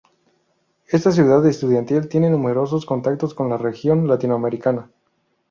Esta ciudad estudiantil tiene numerosos contactos con la región latinoamericana.